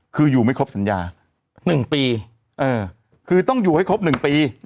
คืออยู่ไม่ครบสัญญาหนึ่งปีเออคือต้องอยู่ให้ครบหนึ่งปี